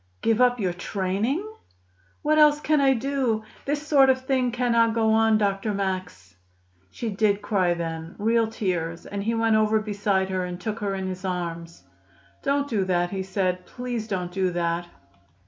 "Give up your training?" "What else can I do? This sort of thing cannot go on, Dr. Max." She did cry then real tears; and he went over beside her and took her in his arms. "Don't do that," he said. "Please don't do that.